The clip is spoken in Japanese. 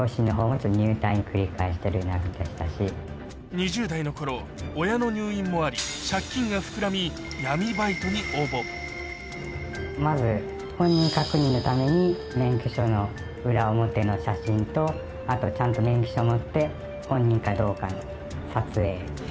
２０代の頃親の入院もありまず本人確認のために免許証の裏表の写真とあとちゃんと免許証持って本人かどうかの撮影。